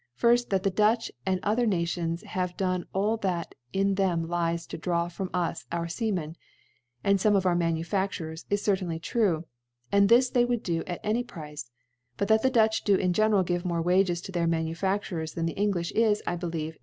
Firrt, That the Dutch and other Nations iave done all that in them Hcs» to draw from u8 our Seamen, and fome of our Ma nufacturers, is. certainly true 5 and this they would do at any Price : but that the Dutd do in general give more Wages to their Ma wfa(aurci:s than the Englijh^ is, I believe